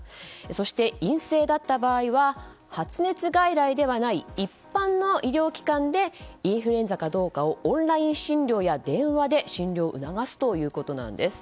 そして、陰性だった場合は発熱外来ではない一般の医療機関でインフルエンザかどうかをオンライン診療や電話で診療を促すということです。